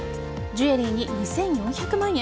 ジュエリーに２４００万円。